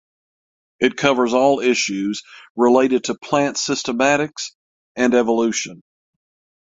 It covers all issues related to plant systematics and evolution.